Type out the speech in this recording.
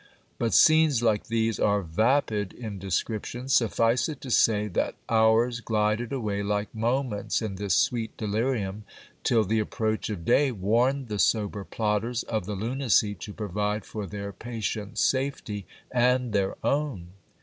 But scenes like these are vapid in description : suffice it to say that hours glided away like moments in this sweet delirium, till the approach of day warned the sober plotters of the lunacy to provide for their patient's safety, and their own.